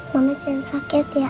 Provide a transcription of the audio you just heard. mama jangan sakit ya